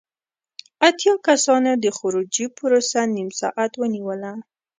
اتیا کسانو د خروجی پروسه نیم ساعت ونیوله.